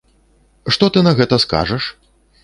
Што ты на гэта скажаш?